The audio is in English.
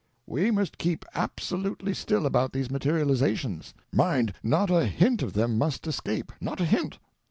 "We must keep absolutely still about these materializations. Mind, not a hint of them must escape—not a hint.